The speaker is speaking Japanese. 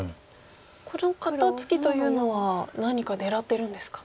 この肩ツキというのは何か狙ってるんですか。